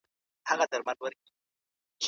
خلګ کولای سي خپل سیاسي لوری په خپله وټاکي.